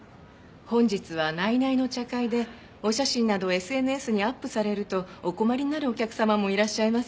本日は内々の茶会でお写真などをＳＮＳにアップされるとお困りになるお客様もいらっしゃいます。